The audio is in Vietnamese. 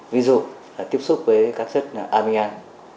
ví dụ là tiếp xúc với các chất aminan